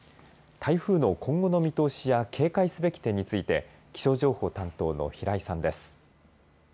台風の今後の見通しや警戒すべき点について気象情報担当の平井さんです。